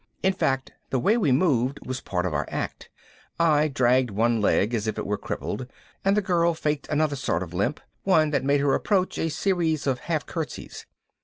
In fact the way we moved was part of our act I dragged one leg as if it were crippled and the girl faked another sort of limp, one that made her approach a series of half curtsies.